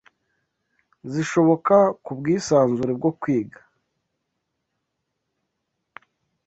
zishoboka ku bwisanzure bwo kwiga